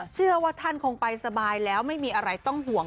เชื่อว่าท่านคงไปสบายแล้วไม่มีอะไรต้องห่วง